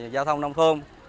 giao thông nông thôn